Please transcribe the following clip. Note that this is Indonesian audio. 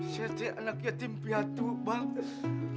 saya tidak anak yatim piatu bang